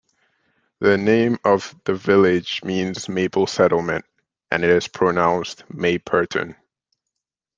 The name of the village means "maple settlement" and is pronounced "Mayperton".